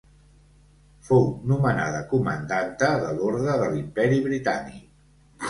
Fou nomenada Comandanta de l'Orde de l'Imperi Britànic.